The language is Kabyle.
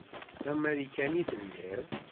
D amarikani i telliḍ.